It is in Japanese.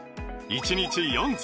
１日４粒！